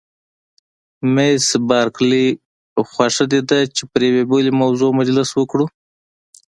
مس بارکلي: خوښه دې ده چې پر یوې بلې موضوع مجلس وکړو؟